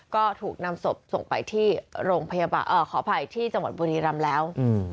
ก็ถูกนำศพส่งไปที่โรงพยาบาลขออภัยที่จังหวัดบุรีรำแล้ว